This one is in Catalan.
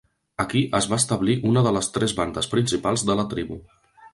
Aquí es va establir una de les tres bandes principals de la tribu.